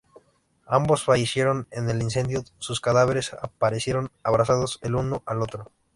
Ambos fallecieron en el incendio; sus cadáveres aparecieron abrazados el uno al otro.